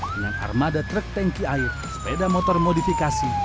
dengan armada truk tanki air sepeda motor modifikasi